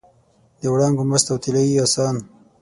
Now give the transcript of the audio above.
د وړانګو مست او طلايي اسان